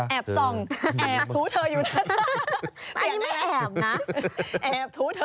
แอบส่องแอบถูเธออยู่หน้าจ้ะ